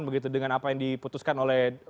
begitu dengan apa yang diputuskan oleh